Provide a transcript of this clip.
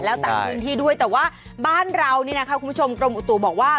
แล้วต่างพื้นที่ด้วยแต่ว่าบ้านเรานี่นะคะคุณผู้ชมกรมอุตุบอกว่า